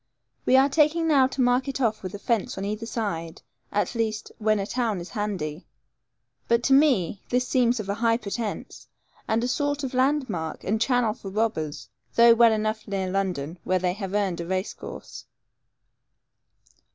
We are taking now to mark it off with a fence on either side, at least, when a town is handy; but to me this seems of a high pretence, and a sort of landmark, and channel for robbers, though well enough near London, where they have earned a race course.